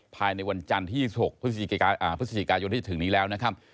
ภายในวันจันทร์ที่๒๖พฤศจิกายนที่จะถึงนี้แล้วนะครับ